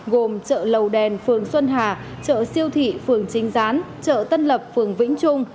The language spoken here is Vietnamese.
gồm chợ lầu đèn phường xuân hà chợ siêu thị phường trinh gián chợ tân lập phường vĩnh trung